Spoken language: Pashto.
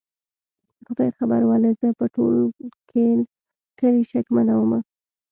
خدای خبر ولې زه په ټول کلي شکمنه ومه؟